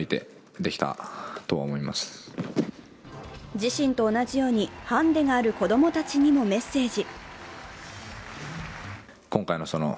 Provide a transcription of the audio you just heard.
自身と同じようにハンデがある子供たちへもメッセージ。